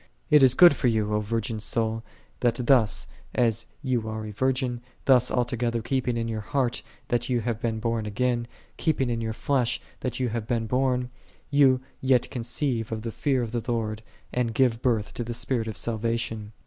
It is good for thee, O virgin soul, that thus, as thou art a virgin, thus altogether keeping in thy heart that thou hast been born again, keeping in thy flesh that thou hast been born, thou yet conceive of the fear of the Lord, and give birth to the spirit of salvation.